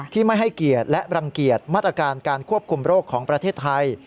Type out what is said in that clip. ไม่ให้เกียรติและรังเกียจมาตรการการควบคุมโรคของประเทศไทย